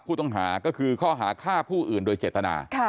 ผู้ต้องหาก็คือข้อหาฆ่าผู้อื่นโดยเจตนา